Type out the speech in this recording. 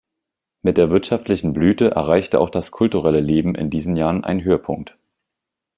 Mit der wirtschaftlichen Blüte erreichte auch das kulturelle Leben in diesen Jahren einen Höhepunkt.